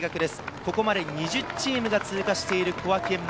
ここまで２０チームが通過している小涌園前。